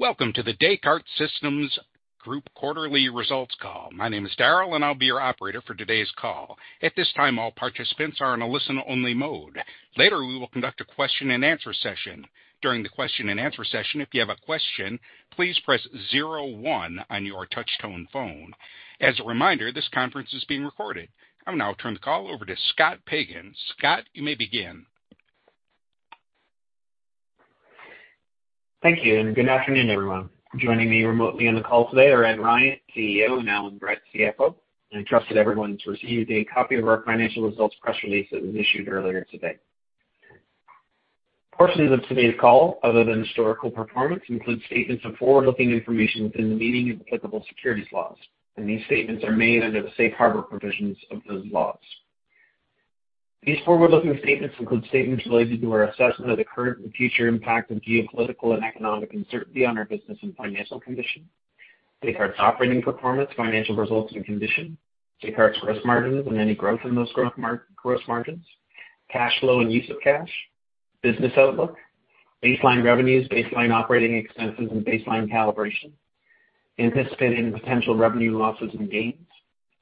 Welcome to the Descartes Systems Group quarterly results call. My name is Daryl, and I'll be your operator for today's call. At this time, all participants are in a listen-only mode. Later, we will conduct a question-and-answer session. During the question-and-answer session, if you have a question, please press zero one on your touch-tone phone. As a reminder, this conference is being recorded. I'll now turn the call over to Scott Pagan. Scott, you may begin. Thank you. Good afternoon, everyone. Joining me remotely on the call today are Ed Ryan, CEO, and Allan Brett, CFO. I trust that everyone's received a copy of our financial results press release that was issued earlier today. Portions of today's call, other than historical performance, include statements of forward-looking information within the meaning of applicable securities laws. These statements are made under the safe harbor provisions of those laws. These forward-looking statements include statements related to our assessment of the current and future impact of geopolitical and economic uncertainty on our business and financial condition, Descartes' operating performance, financial results, and condition, Descartes' gross margins and any growth in those gross margins, cash flow and use of cash, business outlook, baseline revenues, baseline operating expenses, and baseline calibration, anticipating potential revenue losses and gains,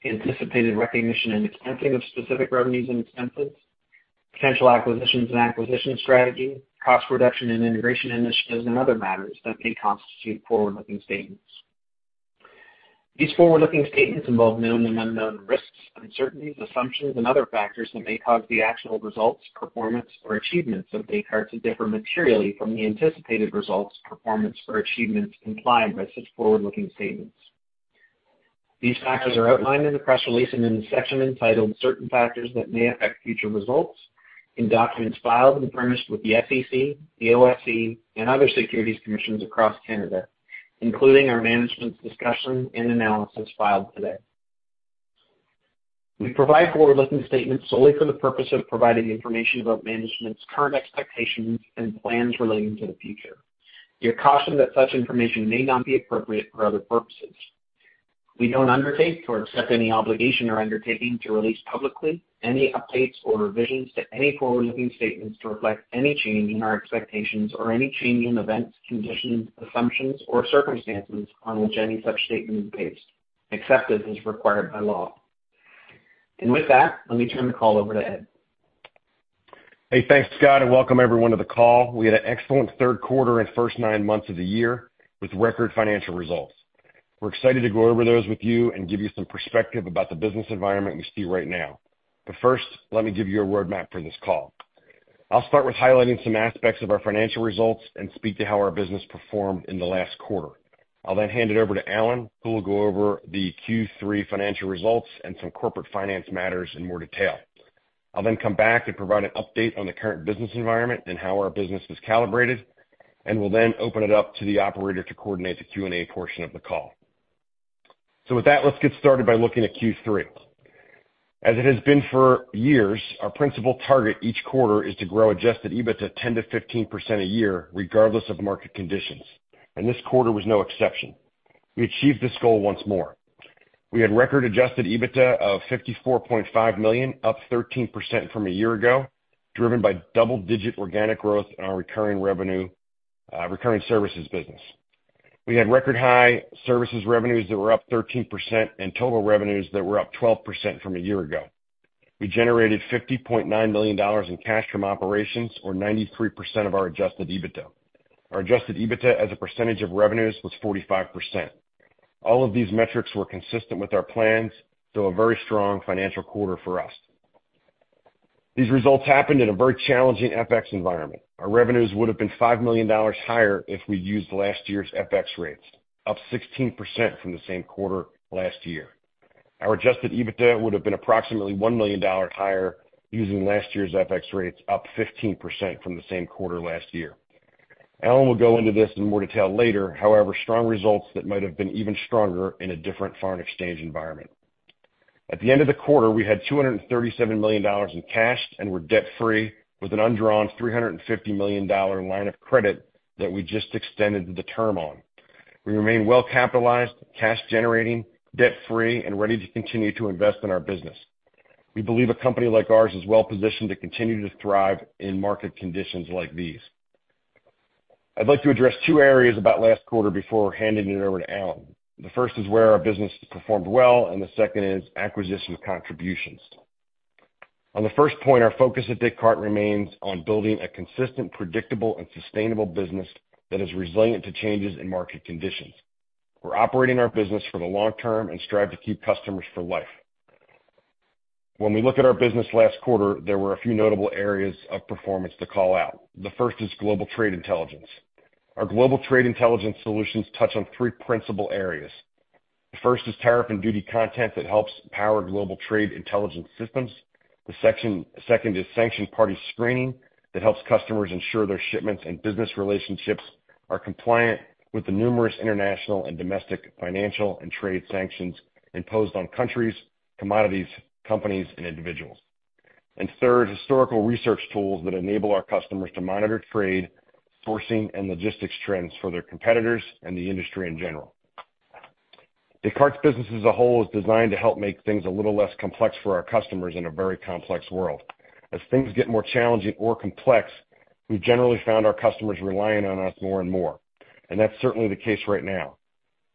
anticipated recognition and expensing of specific revenues and expenses, potential acquisitions and acquisition strategy, cost reduction and integration initiatives, and other matters that may constitute forward-looking statements. These forward-looking statements involve known and unknown risks, uncertainties, assumptions, and other factors that may cause the actual results, performance, or achievements of Descartes to differ materially from the anticipated results, performance, or achievements implied by such forward-looking statements. These factors are outlined in the press release and in the section entitled Certain Factors That May Affect Future Results in documents filed and furnished with the SEC, the OSC, and other securities commissions across Canada, including our management's discussion and analysis filed today. We provide forward-looking statements solely for the purpose of providing information about management's current expectations and plans relating to the future. You're cautioned that such information may not be appropriate for other purposes. We don't undertake to accept any obligation or undertaking to release publicly any updates or revisions to any forward-looking statements to reflect any change in our expectations or any change in events, conditions, assumptions, or circumstances on which any such statement is based, except as is required by law. With that, let me turn the call over to Ed. Hey, thanks, Scott, and welcome everyone to the call. We had an excellent third quarter and first nine months of the year with record financial results. We're excited to go over those with you and give you some perspective about the business environment we see right now. First, let me give you a roadmap for this call. I'll start with highlighting some aspects of our financial results and speak to how our business performed in the last quarter. I'll then hand it over to Allan, who will go over the Q3 financial results and some corporate finance matters in more detail. I'll then come back to provide an update on the current business environment and how our business is calibrated, and we'll then open it up to the operator to coordinate the Q&A portion of the call. With that, let's get started by looking at Q3. As it has been for years, our principal target each quarter is to grow adjusted EBITDA 10%-15% a year, regardless of market conditions, and this quarter was no exception. We achieved this goal once more. We had record adjusted EBITDA of $54.5 million, up 13% from a year ago, driven by double-digit organic growth in our recurring revenue, recurring services business. We had record-high services revenues that were up 13% and total revenues that were up 12% from a year ago. We generated $50.9 million in cash from operations, or 93% of our adjusted EBITDA. Our adjusted EBITDA as a percentage of revenues was 45%. All of these metrics were consistent with our plans, so a very strong financial quarter for us. These results happened in a very challenging FX environment. Our revenues would have been $5 million higher if we used last year's FX rates, up 16% from the same quarter last year. Our adjusted EBITDA would have been approximately $1 million higher using last year's FX rates, up 15% from the same quarter last year. Allan will go into this in more detail later. Strong results that might have been even stronger in a different foreign exchange environment. At the end of the quarter, we had $237 million in cash and were debt-free, with an undrawn $350 million line of credit that we just extended the term on. We remain well-capitalized, cash generating, debt-free, and ready to continue to invest in our business. We believe a company like ours is well-positioned to continue to thrive in market conditions like these. I'd like to address two areas about last quarter before handing it over to Alan. The first is where our business performed well, and the second is acquisition contributions. On the first point, our focus at Descartes remains on building a consistent, predictable, and sustainable business that is resilient to changes in market conditions. We're operating our business for the long-term and strive to keep customers for life. When we look at our business last quarter, there were a few notable areas of performance to call out. The first is Global Trade Intelligence. Our Global Trade Intelligence solutions touch on three principal areas. The first is tariff and duty content that helps power Global Trade Intelligence systems. Second is sanction party screening that helps customers ensure their shipments and business relationships are compliant with the numerous international and domestic financial and trade sanctions imposed on countries, commodities, companies, and individuals. Third, historical research tools that enable our customers to monitor trade, sourcing, and logistics trends for their competitors and the industry in general. Descartes business as a whole is designed to help make things a little less complex for our customers in a very complex world. As things get more challenging or complex, we generally found our customers relying on us more and more, and that's certainly the case right now.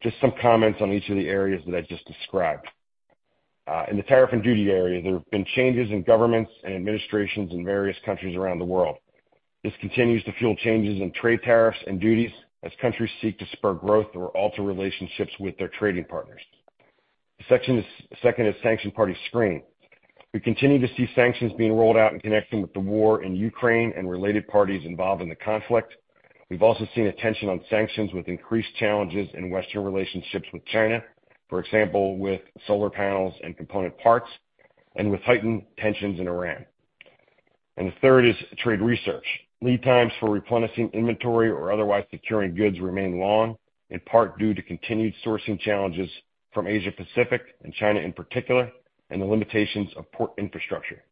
Just some comments on each of the areas that I just described. In the tariff and duty area, there have been changes in governments and administrations in various countries around the world. This continues to fuel changes in trade tariffs and duties as countries seek to spur growth or alter relationships with their trading partners. Second is sanction party screen. We continue to see sanctions being rolled out in connection with the war in Ukraine and related parties involved in the conflict. We've also seen attention on sanctions with increased challenges in Western relationships with China, for example, with solar panels and component parts and with heightened tensions in Iran. The third is trade research. Lead times for replenishing inventory or otherwise securing goods remain long, in part due to continued sourcing challenges from Asia-Pacific and China in particular, and the limitations of port infrastructure.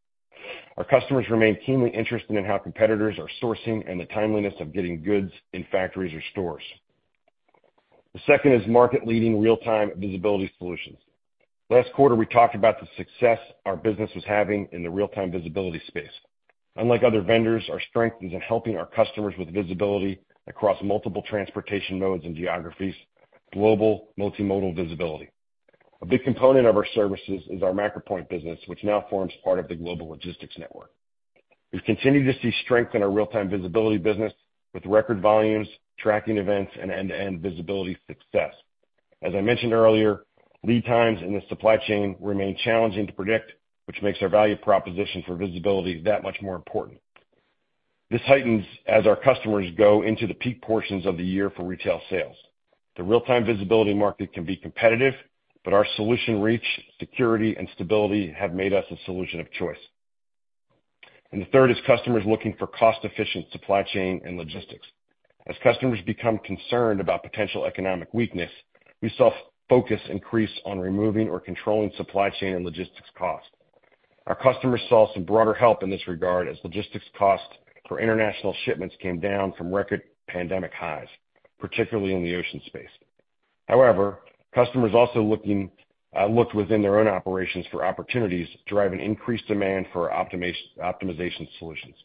Our customers remain keenly interested in how competitors are sourcing and the timeliness of getting goods in factories or stores. The second is market-leading real-time visibility solutions. Last quarter, we talked about the success our business was having in the real-time visibility space. Unlike other vendors, our strength is in helping our customers with visibility across multiple transportation modes and geographies, global multimodal visibility. A big component of our services is our MacroPoint business, which now forms part of the Global Logistics Network. We continue to see strength in our real-time visibility business with record volumes, tracking events, and end-to-end visibility success. As I mentioned earlier, lead times in the supply chain remain challenging to predict, which makes our value proposition for visibility that much more important. This heightens as our customers go into the peak portions of the year for retail sales. The real-time visibility market can be competitive, our solution reach, security, and stability have made us a solution of choice. The third is customers looking for cost-efficient supply chain and logistics. As customers become concerned about potential economic weakness, we saw focus increase on removing or controlling supply chain and logistics costs. Our customers saw some broader help in this regard as logistics costs for international shipments came down from record pandemic highs, particularly in the ocean space. However, customers also looked within their own operations for opportunities to drive an increased demand for optimization solutions.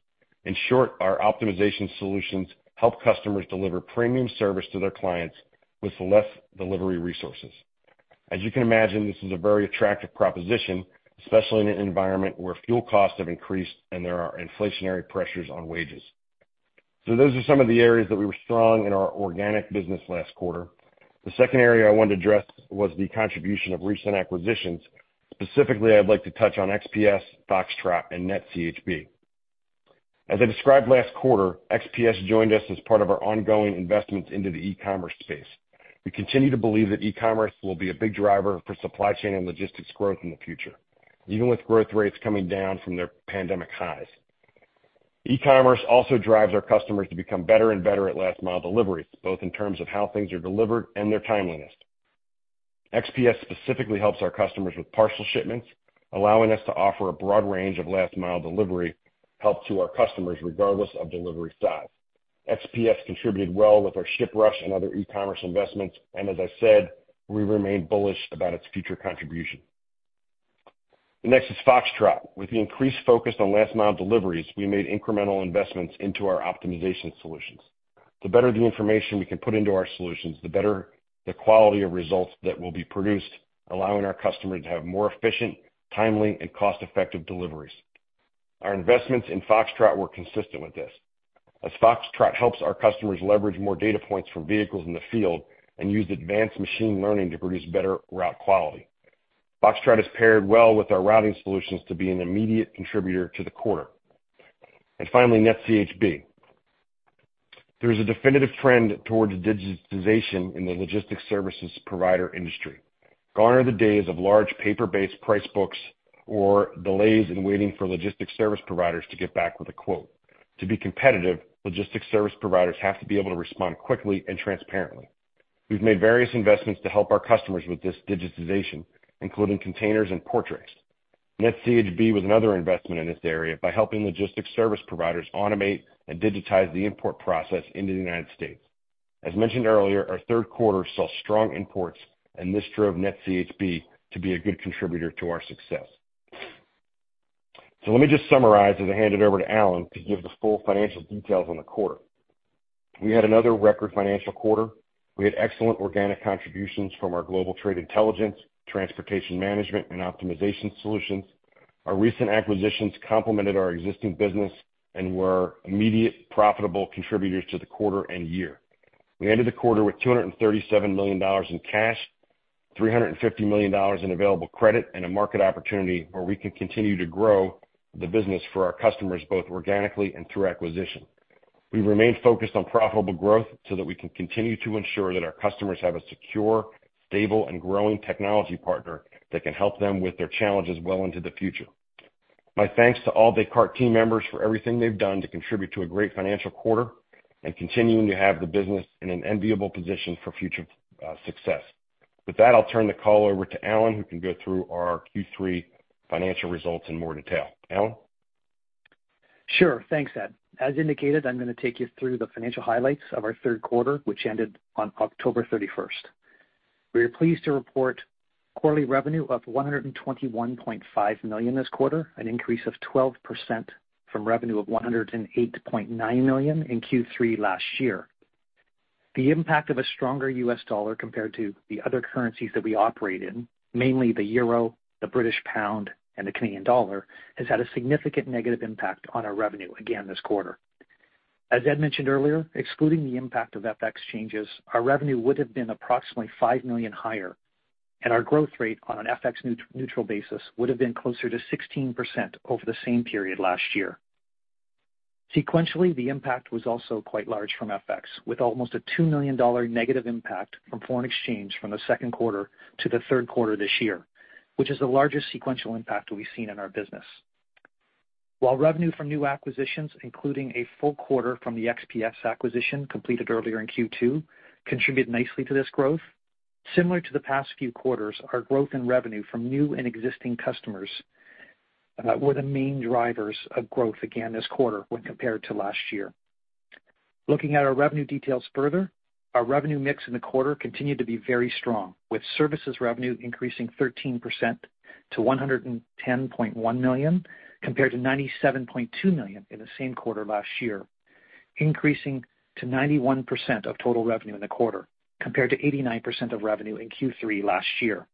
In short, our optimization solutions help customers deliver premium service to their clients with less delivery resources. As you can imagine, this is a very attractive proposition, especially in an environment where fuel costs have increased and there are inflationary pressures on wages. Those are some of the areas that we were strong in our organic business last quarter. The second area I wanted to address was the contribution of recent acquisitions. Specifically, I'd like to touch on XPS, Foxtrot and NetCHB. As I described last quarter, XPS joined us as part of our ongoing investments into the e-commerce space. We continue to believe that e-commerce will be a big driver for supply chain and logistics growth in the future, even with growth rates coming down from their pandemic highs. E-commerce also drives our customers to become better and better at last mile deliveries, both in terms of how things are delivered and their timeliness. XPS specifically helps our customers with parcel shipments, allowing us to offer a broad range of last mile delivery help to our customers regardless of delivery size. XPS contributed well with our ShipRush and other e-commerce investments and as I said, we remain bullish about its future contribution. The next is Foxtrot. With the increased focus on last mile deliveries, we made incremental investments into our optimization solutions. The better the information we can put into our solutions, the better the quality of results that will be produced, allowing our customers to have more efficient, timely and cost effective deliveries. Our investments in Foxtrot were consistent with this. Foxtrot helps our customers leverage more data points from vehicles in the field and use advanced machine learning to produce better route quality. Foxtrot has paired well with our routing solutions to be an immediate contributor to the quarter. Finally, NetCHB. There is a definitive trend towards digitization in the logistics services provider industry. Gone are the days of large paper-based price books or delays in waiting for logistics service providers to get back with a quote. To be competitive, logistics service providers have to be able to respond quickly and transparently. We've made various investments to help our customers with this digitization, including container portals. NetCHB was another investment in this area by helping logistics service providers automate and digitize the import process into the United States. As mentioned earlier, our third quarter saw strong imports and this drove NetCHB to be a good contributor to our success. Let me just summarize as I hand it over to Allan to give the full financial details on the quarter. We had another record financial quarter. We had excellent organic contributions from our Global Trade Intelligence, transportation management and optimization solutions. Our recent acquisitions complemented our existing business and were immediate profitable contributors to the quarter and year. We ended the quarter with $237 million in cash, $350 million in available credit and a market opportunity where we can continue to grow the business for our customers both organically and through acquisition. We remain focused on profitable growth so that we can continue to ensure that our customers have a secure, stable and growing technology partner that can help them with their challenges well into the future. My thanks to all Descartes team members for everything they've done to contribute to a great financial quarter and continuing to have the business in an enviable position for future success. With that, I'll turn the call over to Allan, who can go through our Q3 financial results in more detail. Allan? Sure. Thanks, Ed. As indicated, I'm gonna take you through the financial highlights of our third quarter, which ended on October 31st We are pleased to report quarterly revenue of $121.5 million this quarter, an increase of 12% from revenue of $108.9 million in Q3 last year. The impact of a stronger US dollar compared to the other currencies that we operate in, mainly the euro, the British pound, and the Canadian dollar, has had a significant negative impact on our revenue again this quarter. As Ed mentioned earlier, excluding the impact of FX changes, our revenue would have been approximately $5 million higher, and our growth rate on an an FX neutral basis would have been closer to 16% over the same period last year. Sequentially, the impact was also quite large from FX, with almost a $2 million negative impact from foreign exchange from the second quarter to the third quarter this year, which is the largest sequential impact that we've seen in our business. While revenue from new acquisitions, including a full quarter from the XPS acquisition completed earlier in Q2, contribute nicely to this growth. Similar to the past few quarters, our growth in revenue from new and existing customers were the main drivers of growth again this quarter when compared to last year. Looking at our revenue details further, our revenue mix in the quarter continued to be very strong, with services revenue increasing 13% to $110.1 million, compared to $97.2 million in the same quarter last year, increasing to 91% of total revenue in the quarter, compared to 89% of revenue in Q3 last year.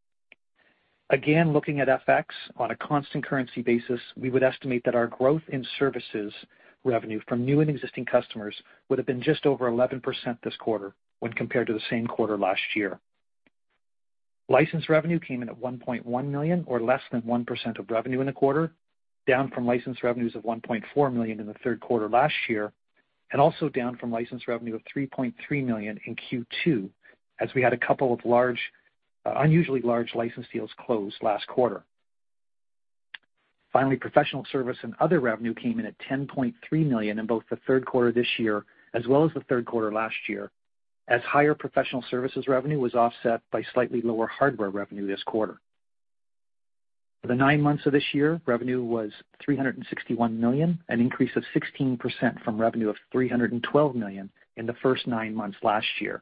Looking at FX on a constant currency basis, we would estimate that our growth in services revenue from new and existing customers would have been just over 11% this quarter when compared to the same quarter last year. License revenue came in at $1.1 million or less than 1% of revenue in the quarter, down from license revenues of $1.4 million in the third quarter last year, and also down from license revenue of $3.3 million in Q2, as we had a couple of unusually large license deals close last quarter. Finally, professional service and other revenue came in at $10.3 million in both the third quarter this year as well as the third quarter last year, as higher professional services revenue was offset by slightly lower hardware revenue this quarter. For the nine months of this year, revenue was $361 million, an increase of 16% from revenue of $312 million in the first nine months last year.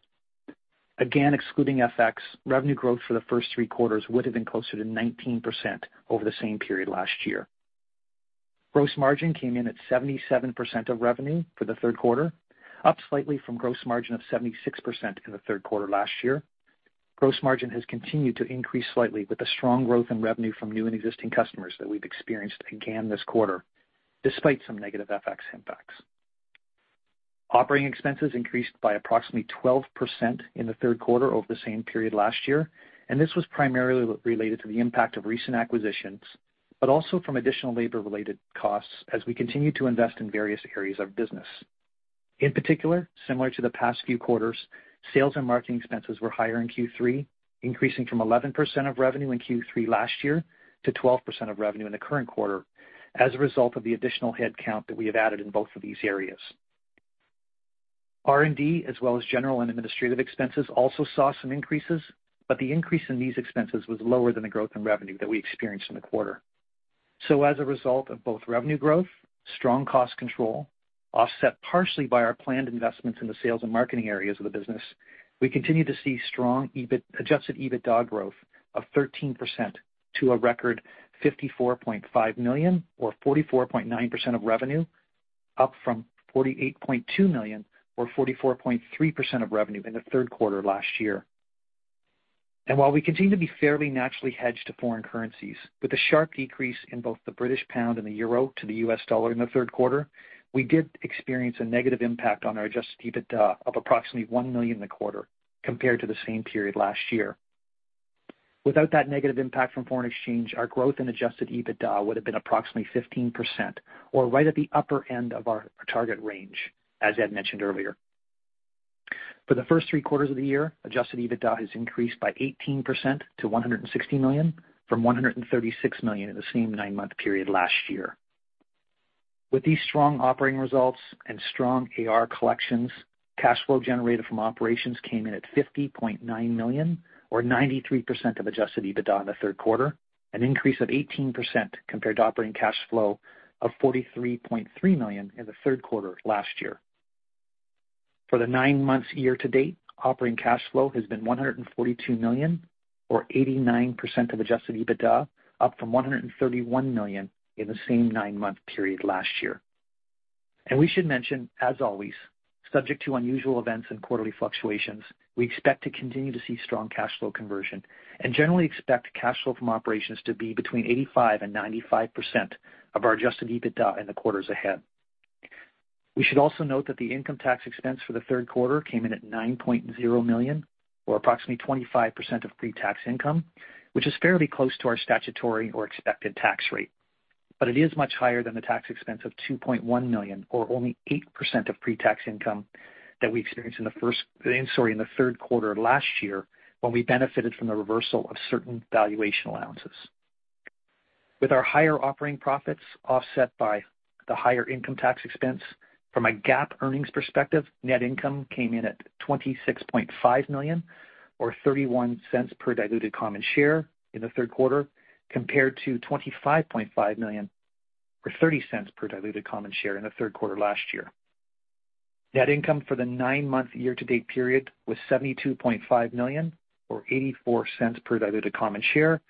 Again, excluding FX, revenue growth for the first three quarters would have been closer to 19% over the same period last year. Gross margin came in at 77% of revenue for the third quarter, up slightly from gross margin of 76% in the third quarter last year. Gross margin has continued to increase slightly with the strong growth in revenue from new and existing customers that we've experienced again this quarter, despite some negative FX impacts. Operating expenses increased by approximately 12% in the third quarter over the same period last year, and this was primarily related to the impact of recent acquisitions, but also from additional labor-related costs as we continue to invest in various areas of business. In particular, similar to the past few quarters, sales and marketing expenses were higher in Q3, increasing from 11% of revenue in Q3 last year to 12% of revenue in the current quarter as a result of the additional headcount that we have added in both of these areas. R&D as well as general and administrative expenses also saw some increases, but the increase in these expenses was lower than the growth in revenue that we experienced in the quarter. As a result of both revenue growth, strong cost control, offset partially by our planned investments in the sales and marketing areas of the business, we continue to see strong adjusted EBITDA growth of 13% to a record $54.5 million or 44.9% of revenue, up from $48.2 million or 44.3% of revenue in the third quarter last year. While we continue to be fairly naturally hedged to foreign currencies, with a sharp decrease in both the British pound and the euro to the US dollar in the third quarter, we did experience a negative impact on our adjusted EBITDA of approximately $1 million in the quarter compared to the same period last year. Without that negative impact from foreign exchange, our growth in adjusted EBITDA would have been approximately 15% or right at the upper end of our target range, as Ed mentioned earlier. For the first three quarters of the year, adjusted EBITDA has increased by 18% to $160 million from $136 million in the same nine-month period last year. With these strong operating results and strong AR collections, cash flow generated from operations came in at $50.9 million or 93% of adjusted EBITDA in the third quarter, an increase of 18% compared to operating cash flow of $43.3 million in the third quarter last year. For the nine months year-to-date, operating cash flow has been $142 million or 89% of adjusted EBITDA, up from $131 million in the same nine-month period last year. We should mention, as always, subject to unusual events and quarterly fluctuations, we expect to continue to see strong cash flow conversion and generally expect cash flow from operations to be between 85% and 95% of our adjusted EBITDA in the quarters ahead. We should also note that the income tax expense for the third quarter came in at $9.0 million, or approximately 25% of pre-tax income, which is fairly close to our statutory or expected tax rate. It is much higher than the tax expense of $2.1 million, or only 8% of pre-tax income that we experienced in the third quarter of last year, when we benefited from the reversal of certain valuation allowances. With our higher operating profits offset by the higher income tax expense. From a GAAP earnings perspective, net income came in at $26.5 million or $0.31 per diluted common share in the third quarter, compared to $25.5 million or $0.30 per diluted common share in the third quarter last year. Net income for the nine-month year-to-date period was $72.5 million or $0.84 per diluted common share,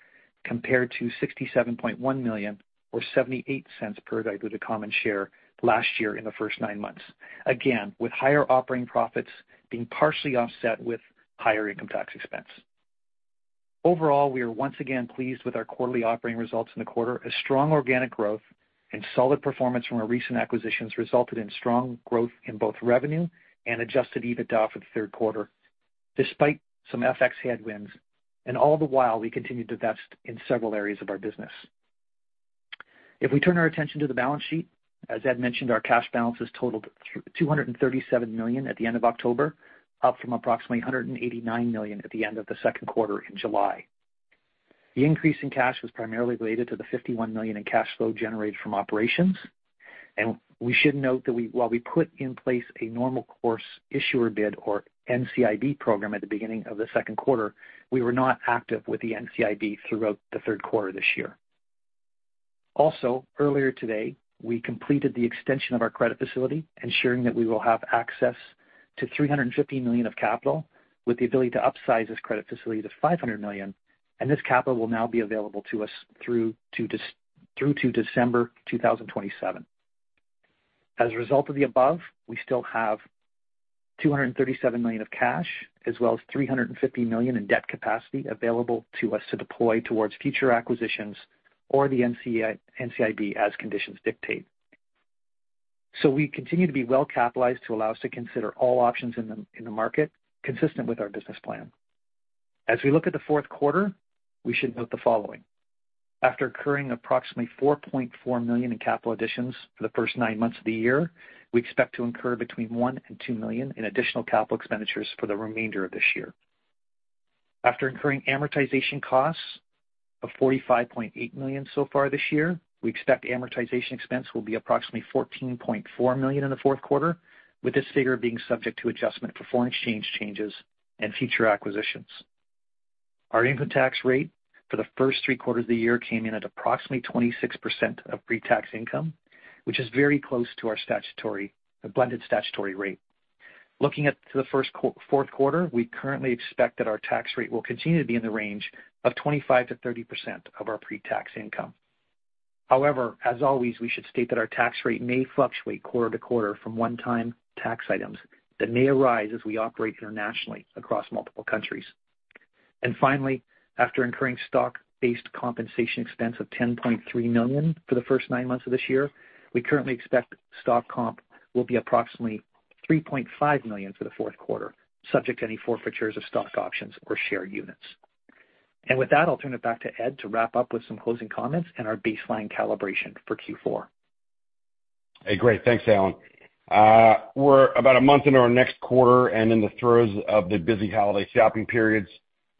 compared to $67.1 million or $0.78 per diluted common share last year in the first nine months, again, with higher operating profits being partially offset with higher income tax expense. Overall, we are once again pleased with our quarterly operating results in the quarter. A strong organic growth and solid performance from our recent acquisitions resulted in strong growth in both revenue and adjusted EBITDA for the third quarter, despite some FX headwinds. All the while we continued to invest in several areas of our business. If we turn our attention to the balance sheet, as Ed mentioned, our cash balances totaled $237 million at the end of October, up from approximately $189 million at the end of the second quarter in July. The increase in cash was primarily related to the $51 million in cash flow generated from operations. We should note that we, while we put in place a normal course issuer bid or NCIB program at the beginning of the second quarter, we were not active with the NCIB throughout the third quarter this year. Also, earlier today, we completed the extension of our credit facility, ensuring that we will have access to $350 million of capital with the ability to upsize this credit facility to $500 million, and this capital will now be available to us through to December 2027. As a result of the above, we still have $237 million of cash as well as $350 million in debt capacity available to us to deploy towards future acquisitions or the NCIB as conditions dictate. We continue to be well capitalized to allow us to consider all options in the market consistent with our business plan. As we look at the fourth quarter, we should note the following. After incurring approximately $4.4 million in capital additions for the first nine months of the year, we expect to incur between $1 million and $2 million in additional capital expenditures for the remainder of this year. After incurring amortization costs of $45.8 million so far this year, we expect amortization expense will be approximately $14.4 million in the fourth quarter, with this figure being subject to adjustment for foreign exchange changes and future acquisitions. Our income tax rate for the first three quarters of the year came in at approximately 26% of pre-tax income, which is very close to our statutory, blended statutory rate. Looking at the fourth quarter, we currently expect that our tax rate will continue to be in the range of 25%-30% of our pre-tax income. As always, we should state that our tax rate may fluctuate quarter to quarter from one-time tax items that may arise as we operate internationally across multiple countries. Finally, after incurring stock-based compensation expense of $10.3 million for the first nine months of this year, we currently expect stock comp will be approximately $3.5 million for the fourth quarter, subject to any forfeitures of stock options or share units. With that, I'll turn it back to Ed to wrap up with some closing comments and our baseline calibration for Q4. Hey, great. Thanks, Allan. We're about one month into our next quarter and in the throes of the busy holiday shopping periods,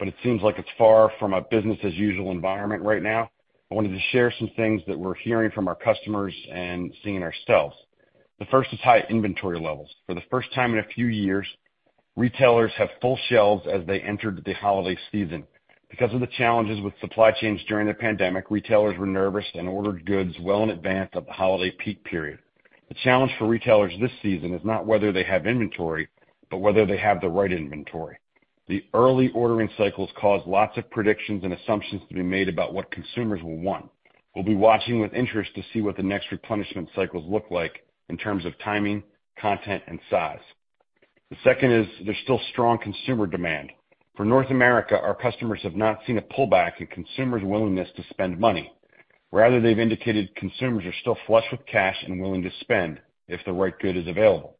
it seems like it's far from a business as usual environment right now. I wanted to share some things that we're hearing from our customers and seeing ourselves. The first is high inventory levels. For the first time in a few years, retailers have full shelves as they entered the holiday season. Because of the challenges with supply chains during the pandemic, retailers were nervous and ordered goods well in advance of the holiday peak period. The challenge for retailers this season is not whether they have inventory, but whether they have the right inventory. The early ordering cycles cause lots of predictions and assumptions to be made about what consumers will want. We'll be watching with interest to see what the next replenishment cycles look like in terms of timing, content, and size. There's still strong consumer demand. For North America, our customers have not seen a pullback in consumers' willingness to spend money. Rather, they've indicated consumers are still flush with cash and willing to spend if the right good is available.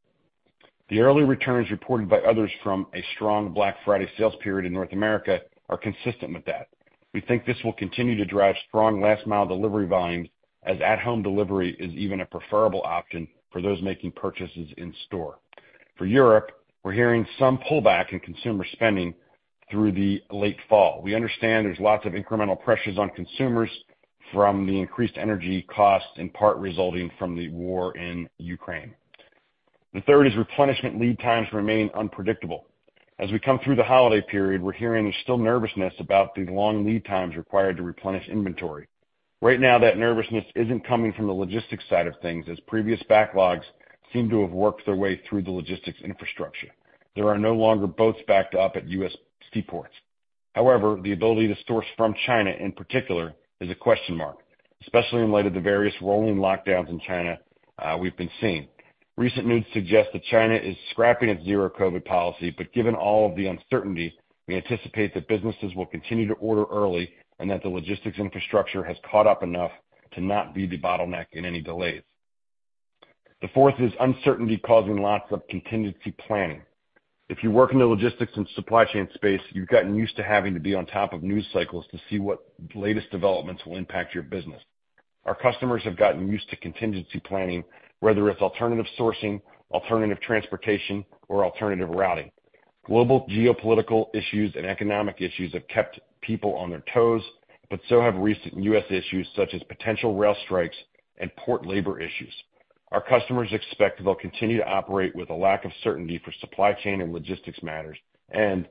The early returns reported by others from a strong Black Friday sales period in North America are consistent with that. We think this will continue to drive strong last mile delivery volumes as at home delivery is even a preferable option for those making purchases in-store. For Europe, we're hearing some pullback in consumer spending through the late fall. We understand there's lots of incremental pressures on consumers from the increased energy costs, in part resulting from the war in Ukraine. The third is replenishment lead times remain unpredictable. As we come through the holiday period, we're hearing there's still nervousness about the long lead times required to replenish inventory. Right now, that nervousness isn't coming from the logistics side of things, as previous backlogs seem to have worked their way through the logistics infrastructure. There are no longer boats backed up at U.S. seaports. However, the ability to source from China in particular is a question mark, especially in light of the various rolling lockdowns in China, we've been seeing. Recent news suggests that China is scrapping its zero-COVID policy, but given all of the uncertainty, we anticipate that businesses will continue to order early and that the logistics infrastructure has caught up enough to not be the bottleneck in any delays. The fourth is uncertainty causing lots of contingency planning. If you work in the logistics and supply chain space, you've gotten used to having to be on top of news cycles to see what latest developments will impact your business. Our customers have gotten used to contingency planning, whether it's alternative sourcing, alternative transportation, or alternative routing. Global geopolitical issues and economic issues have kept people on their toes, but so have recent U.S. issues such as potential rail strikes and port labor issues. As a result, we expect they'll continue to operate with a lack of certainty for supply chain and logistics matters. The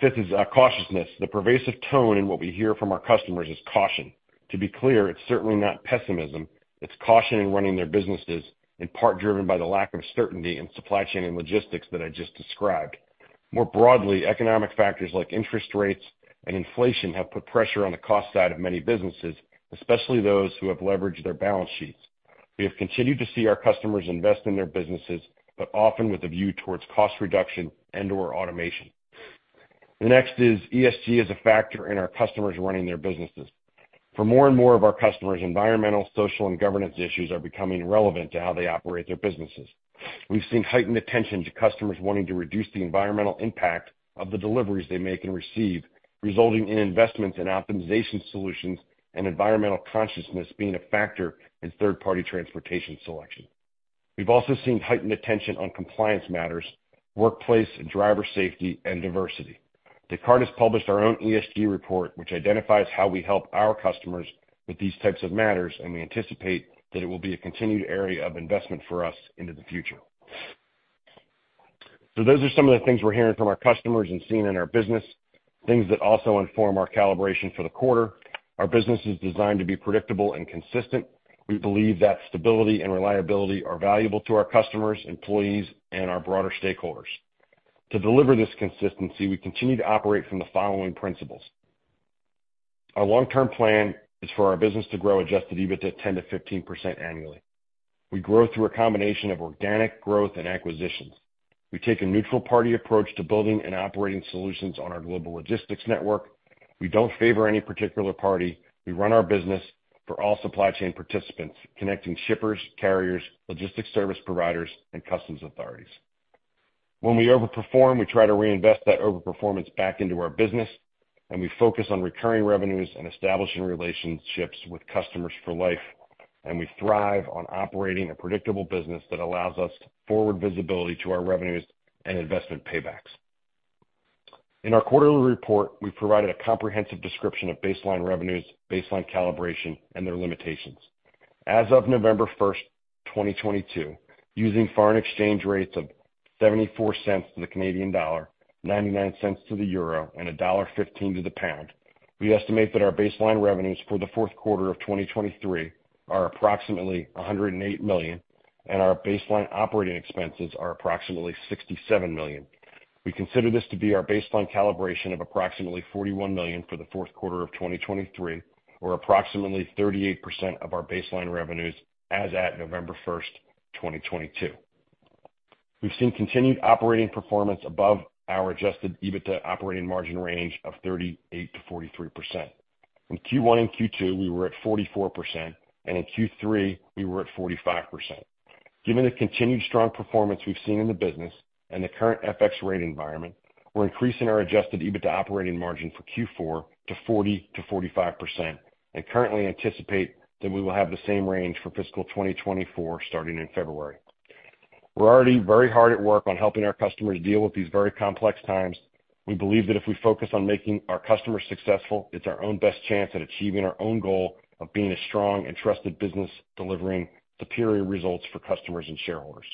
fifth is cautiousness. The pervasive tone in what we hear from our customers is caution. To be clear, it's certainly not pessimism. It's caution in running their businesses, in part driven by the lack of certainty in supply chain and logistics that I just described. More broadly, economic factors like interest rates and inflation have put pressure on the cost side of many businesses, especially those who have leveraged their balance sheets. We have continued to see our customers invest in their businesses, but often with a view towards cost reduction and/or automation. The next is ESG is a factor in our customers running their businesses. For more and more of our customers, environmental, social, and governance issues are becoming relevant to how they operate their businesses. We've seen heightened attention to customers wanting to reduce the environmental impact of the deliveries they make and receive, resulting in investments in optimization solutions and environmental consciousness being a factor in third-party transportation selection. We've also seen heightened attention on compliance matters, workplace and driver safety, and diversity. Descartes published our own ESG report, which identifies how we help our customers with these types of matters, and we anticipate that it will be a continued area of investment for us into the future. Those are some of the things we're hearing from our customers and seeing in our business, things that also inform our calibration for the quarter. Our business is designed to be predictable and consistent. We believe that stability and reliability are valuable to our customers, employees, and our broader stakeholders. To deliver this consistency, we continue to operate from the following principles. Our long-term plan is for our business to grow adjusted EBITDA 10%-15% annually. We grow through a combination of organic growth and acquisitions. We take a neutral party approach to building and operating solutions on our Global Logistics Network. We don't favor any particular party. We run our business for all supply chain participants, connecting shippers, carriers, logistics service providers, and customs authorities. When we overperform, we try to reinvest that overperformance back into our business, and we focus on recurring revenues and establishing relationships with customers for life, and we thrive on operating a predictable business that allows us forward visibility to our revenues and investment paybacks. In our quarterly report, we provided a comprehensive description of baseline revenues, baseline calibration, and their limitations. As of November 1st, 2022, using foreign exchange rates of $0.74 to the Canadian dollar, 0.99 to the euro, and GBP 1.15 to the pound, we estimate that our baseline revenues for the fourth quarter of 2023 are approximately $108 million, and our baseline operating expenses are approximately $67 million. We consider this to be our baseline calibration of approximately $41 million for the fourth quarter of 2023, or approximately 38% of our baseline revenues as at November 1st, 2022. We've seen continued operating performance above our adjusted EBITDA operating margin range of 38%-43%. In Q1 and Q2, we were at 44%. In Q3 we were at 45%. Given the continued strong performance we've seen in the business and the current FX rate environment, we're increasing our adjusted EBITDA operating margin for Q4 to 40%-45% and currently anticipate that we will have the same range for fiscal 2024 starting in February. We're already very hard at work on helping our customers deal with these very complex times. We believe that if we focus on making our customers successful, it's our own best chance at achieving our own goal of being a strong and trusted business, delivering superior results for customers and shareholders.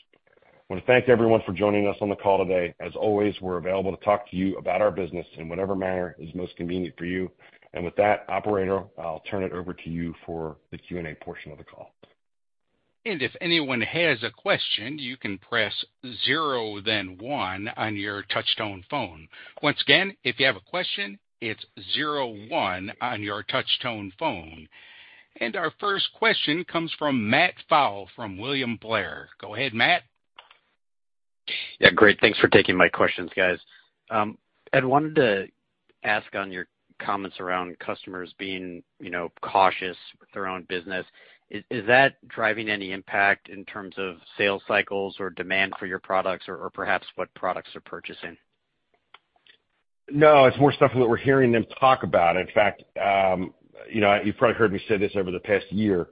I want to thank everyone for joining us on the call today. As always, we're available to talk to you about our business in whatever manner is most convenient for you. With that, Operator, I'll turn it over to you for the Q&A portion of the call. If anyone has a question, you can press zero then one on your touchtone phone. Once again, if you have a question, it's zero one on your touchtone phone. Our first question comes from Matt Pfau from William Blair. Go ahead, Matt. Yeah, great. Thanks for taking my questions, guys. Ed, wanted to ask on your comments around customers being, you know, cautious with their own business. Is that driving any impact in terms of sales cycles or demand for your products or perhaps what products they're purchasing? No, it's more stuff that we're hearing them talk about. In fact, you know, you've probably heard me say this over the past year,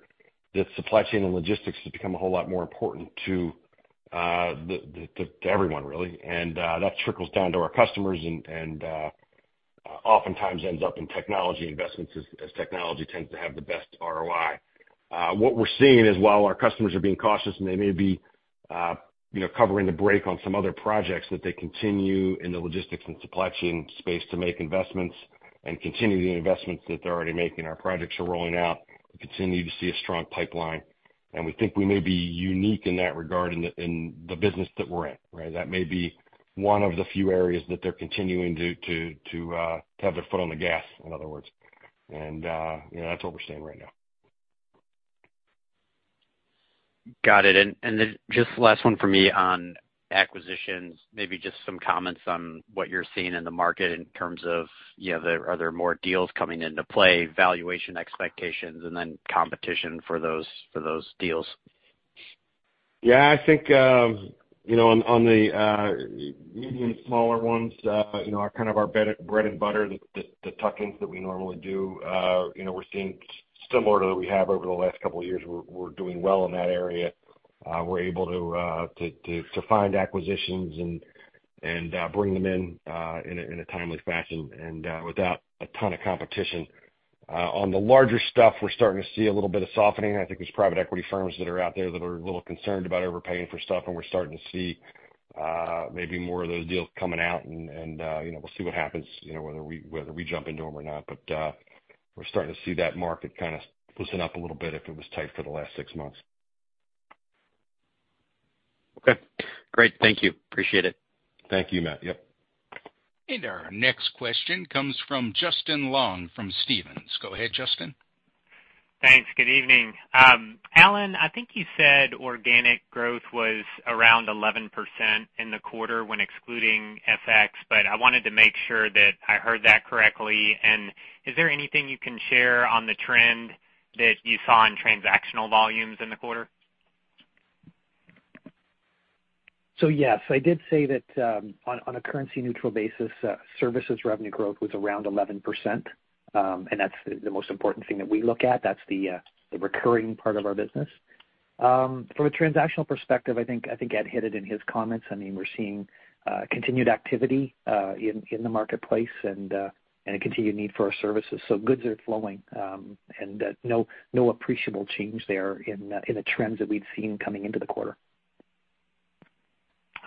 that supply chain and logistics has become a whole lot more important to everyone, really. That trickles down to our customers and oftentimes ends up in technology investments as technology tends to have the best ROI. What we're seeing is while our customers are being cautious and they may be, you know, covering the break on some other projects, that they continue in the logistics and supply chain space to make investments and continue the investments that they're already making. Our projects are rolling out. We continue to see a strong pipeline, and we think we may be unique in that regard in the business that we're in, right? That may be one of the few areas that they're continuing to have their foot on the gas, in other words. You know, that's what we're seeing right now. Got it. Then just last one for me on acquisitions. Maybe just some comments on what you're seeing in the market in terms of, you know, are there more deals coming into play, valuation expectations, and then competition for those deals? I think, you know, on the medium, smaller ones, you know, our kind of our bread and butter, the tuck-ins that we normally do, you know, we're seeing similar to what we have over the last couple of years. We're doing well in that area. We're able to find acquisitions and bring them in in a timely fashion and without a ton of competition. On the larger stuff, we're starting to see a little bit of softening. I think there's private equity firms that are out there that are a little concerned about overpaying for stuff, and we're starting to see maybe more of those deals coming out and, you know, we'll see what happens, you know, whether we jump into them or not. We're starting to see that market kind of loosen up a little bit if it was tight for the last six months. Okay, great. Thank you. Appreciate it. Thank you, Matt. Yep. Our next question comes from Justin Long from Stephens. Go ahead, Justin. Thanks. Good evening. Allan, I think you said organic growth was around 11% in the quarter when excluding FX, but I wanted to make sure that I heard that correctly. Is there anything you can share on the trend that you saw in transactional volumes in the quarter? Yes, I did say that, on a currency neutral basis, services revenue growth was around 11%. That's the most important thing that we look at. That's the recurring part of our business. From a transactional perspective, I think Ed hit it in his comments. I mean, we're seeing continued activity in the marketplace and a continued need for our services. Goods are flowing, and no appreciable change there in the trends that we've seen coming into the quarter.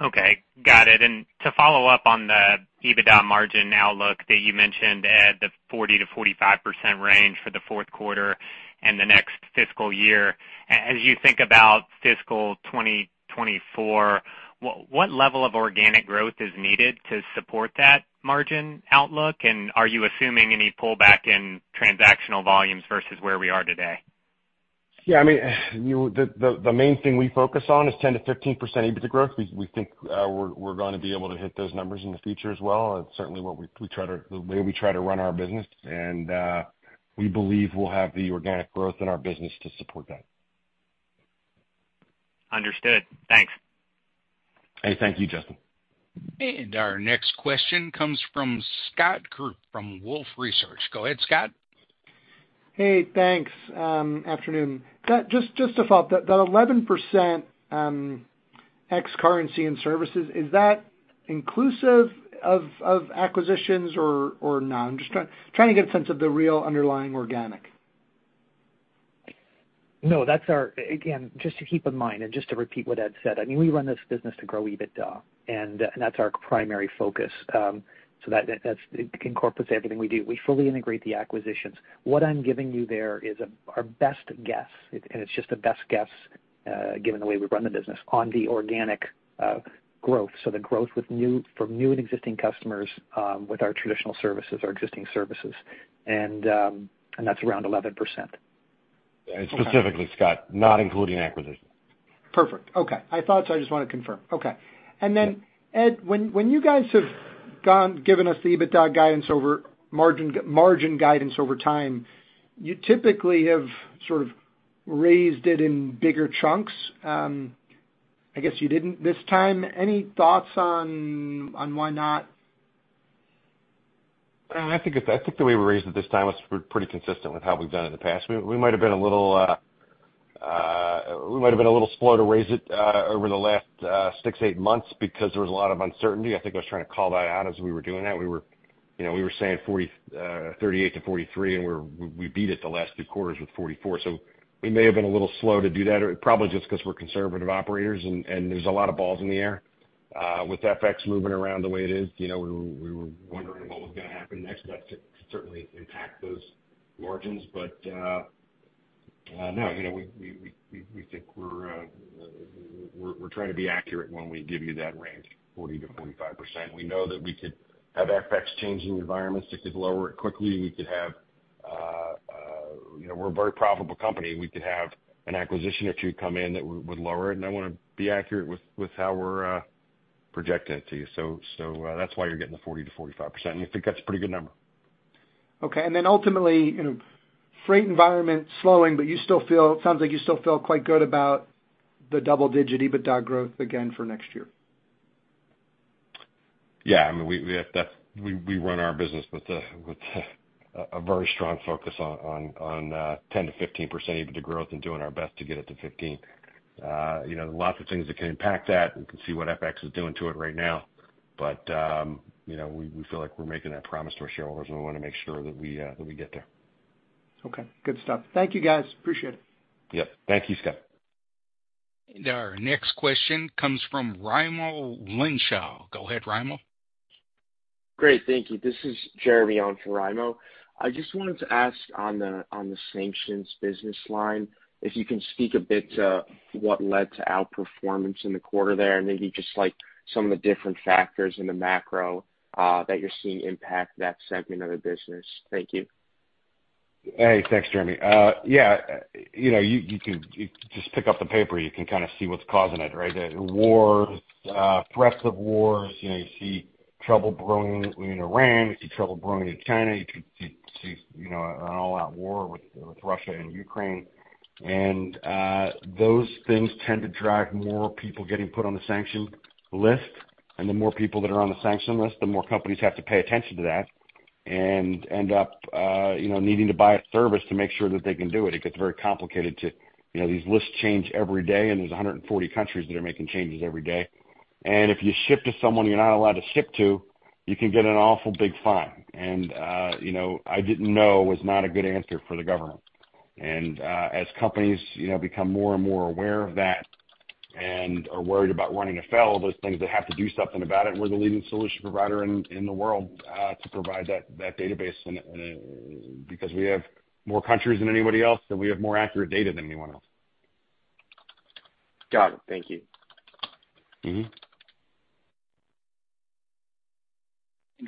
Okay, got it. To follow-up on the EBITDA margin outlook that you mentioned, Ed, the 40%-45% range for the fourth quarter and the next fiscal year. As you think about fiscal 2024, what level of organic growth is needed to support that margin outlook? Are you assuming any pullback in transactional volumes versus where we are today? Yeah, I mean, you know, the main thing we focus on is 10%-15% EBITDA growth. We think we're gonna be able to hit those numbers in the future as well. It's certainly what we try to run our business. We believe we'll have the organic growth in our business to support that. Understood. Thanks. Hey, thank you, Justin. Our next question comes from Scott Group from Wolfe Research. Go ahead, Scott. Hey, thanks. afternoon. Just a thought. That 11%, x currency and services, is that inclusive of acquisitions or not? I'm just trying to get a sense of the real underlying organic. No, that's our Again, just to keep in mind and just to repeat what Ed said, I mean, we run this business to grow EBITDA, and that's our primary focus. So that's it incorporates everything we do. We fully integrate the acquisitions. What I'm giving you there is our best guess, and it's just a best guess, given the way we run the business on the organic growth. So the growth with new from new and existing customers, with our traditional services or existing services. That's around 11%. Specifically, Scott, not including acquisitions. Perfect. Okay. I thought so. I just wanted to confirm. Okay. Then, Ed, when you guys have given us the EBITDA guidance over margin, guidance over time, you typically have sort of raised it in bigger chunks. I guess you didn't this time. Any thoughts on why not? I think the way we raised it this time was pretty consistent with how we've done it in the past. We might've been a little slow to raise it over the last six, eight months because there was a lot of uncertainty. I think I was trying to call that out as we were doing that. We were, you know, we were saying 38%-43%, and we beat it the last two quarters with 44%. We may have been a little slow to do that, probably just 'cause we're conservative operators and there's a lot of balls in the air. With FX moving around the way it is, you know, we were wondering what was gonna happen next. That could certainly impact those margins. No, you know, we think we're trying to be accurate when we give you that range, 40%-45%. We know that we could have FX changing environments that could lower it quickly. We could have, you know, we're a very profitable company. We could have an acquisition or two come in that would lower it, and I wanna be accurate with how we're projecting it to you. That's why you're getting the 40%-45%. I think that's a pretty good number. Okay. Ultimately, you know, freight environment slowing, but sounds like you still feel quite good about the double-digit EBITDA growth again for next year. Yeah, I mean, we have that. We run our business with a very strong focus on 10%-15% EBITDA growth and doing our best to get it to 15%. You know, lots of things that can impact that. We can see what FX is doing to it right now, you know, we feel like we're making that promise to our shareholders, and we wanna make sure that we get there. Okay. Good stuff. Thank you, guys. Appreciate it. Yep. Thank you, Scott. Our next question comes from Raimo Lenschow. Go ahead, Raimo. Great, thank you. This is Jeremy on for Raimo. I just wanted to ask on the sanctions business line, if you can speak a bit to what led to outperformance in the quarter there and maybe just like some of the different factors in the macro that you're seeing impact that segment of the business? Thank you. Hey, thanks, Jeremy. Yeah, you know, you just pick up the paper, you can kinda see what's causing it, right? The wars, threats of wars. You know, you see trouble brewing in Iran. You see trouble brewing in China. You can see, you know, an all-out war with Russia and Ukraine. Those things tend to drive more people getting put on the sanction list. The more people that are on the sanction list, the more companies have to pay attention to that and end up, you know, needing to buy a service to make sure that they can do it. It gets very complicated to. You know, these lists change every day, and there's 140 countries that are making changes every day. If you ship to someone you're not allowed to ship to, you can get an awful big fine. You know, I didn't know was not a good answer for the government. As companies, you know, become more and more aware of that and are worried about running afoul of those things, they have to do something about it. We're the leading solution provider in the world to provide that database and because we have more countries than anybody else and we have more accurate data than anyone else. Got it. Thank you. Mm-hmm.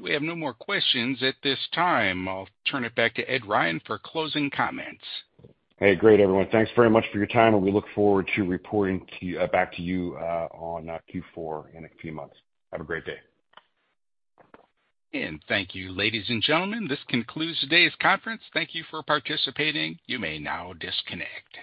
We have no more questions at this time. I'll turn it back to Ed Ryan for closing comments. Hey, great, everyone. Thanks very much for your time. We look forward to reporting back to you on Q4 in a few months. Have a great day. Thank you, ladies and gentlemen. This concludes today's conference. Thank you for participating. You may now disconnect.